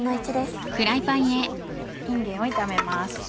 いんげんを炒めます。